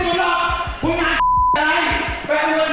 กลับไปกัน